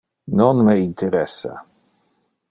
Non me interessa.